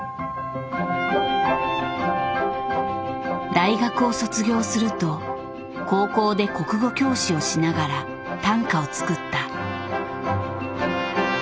大学を卒業すると高校で国語教師をしながら短歌を作った。